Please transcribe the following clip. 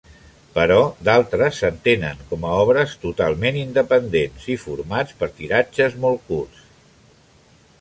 Però d'altres s'entenen com a obres totalment independents i formats per tiratges molt curts.